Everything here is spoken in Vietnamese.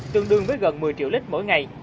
tương đương với gần một mươi triệu lít mỗi ngày